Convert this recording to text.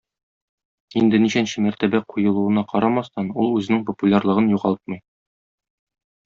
Инде ничәнче мәртәбә куелуына карамастан, ул үзенең популярлыгын югалтмый.